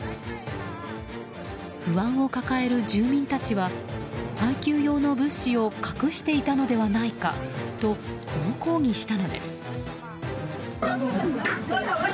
不安を抱える住民たちは配給用の物資を隠していたのではないかと猛抗議したのです。